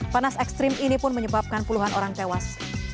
panas ekstrim ini pun menyebabkan puluhan orang tewas